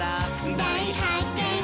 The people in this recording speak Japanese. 「だいはっけん」